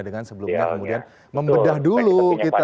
dengan sebelumnya kemudian membedah dulu gitu